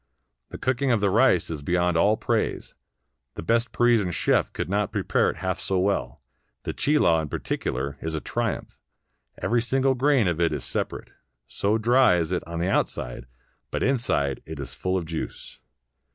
The cooking of the rice is beyond all praise ; the best Parisian chef could not prepare it half so well; the chilaw, in particular, is a triumph : every single grain of it is separate, so dry is it on the outside; but inside it is full of juice.